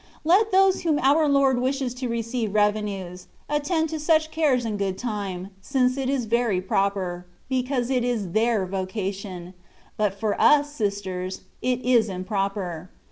Let those whom our Lord wishes to receive revenues, attend to such cares in good time, since it is very proper — ^because it is their vocation ; but for lis, sisters, it is improper.